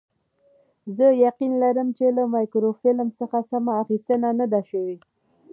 زه یقین لرم چې له مایکروفیلم څخه سمه اخیستنه نه ده شوې.